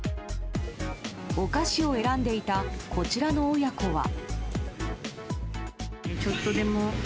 お菓子を選んでいたこちらの親子は。